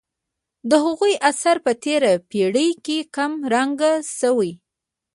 د هغو اثر په تېره پېړۍ کې کم رنګه شوی.